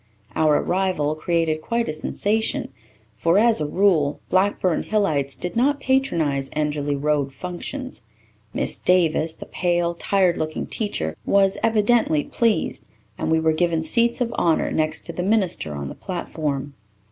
Our arrival created quite a sensation for, as a rule, Blackburn Hillites did not patronize Enderly Road functions. Miss Davis, the pale, tired looking little teacher, was evidently pleased, and we were given seats of honour next to the minister on the platform.